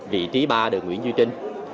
vị trí ba đường nguyễn duy trinh